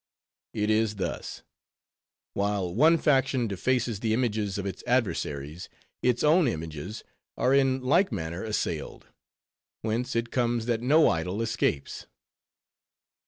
"It is thus. While one faction defaces the images of its adversaries, its own images are in like manner assailed; whence it comes that no idol escapes."